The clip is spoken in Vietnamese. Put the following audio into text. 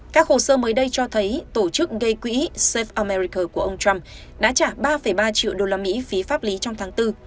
các hồ sơ mới đây cho thấy tổ chức gây quỹ japa omerical của ông trump đã trả ba ba triệu đô la mỹ phí pháp lý trong tháng bốn